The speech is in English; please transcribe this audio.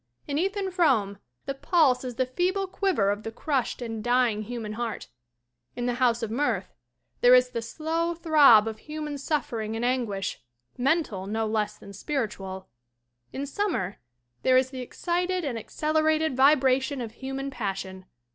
In Ethan Frome the pulse is the feeble_quiy_e.r of the crushed and dying human heart; in The House of Mirth there is the slow throb of human suffering and anguish, mental no less than spiritual; in Summer there is the excited and acceler ated vibration of human passion.